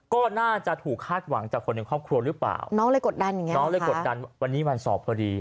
ก็น่าจะถูกคาดหวังจากคนในครอบครัวหรือเปล่าน้องเลยกดดันอย่างเงี้น้องเลยกดดันวันนี้วันสอบพอดี